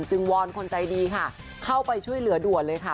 วอนคนใจดีค่ะเข้าไปช่วยเหลือด่วนเลยค่ะ